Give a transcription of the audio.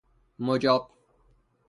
مجاب